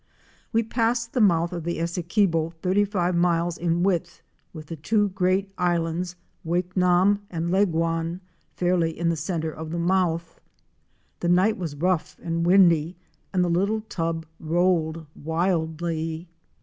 We passed the mouth of the Essequibo, thirty five miles in width, with the two great islands, Wakenaam and Leguan, fairly in the centre of the mouth. The night was rough and windy and the little tub rolled wildly.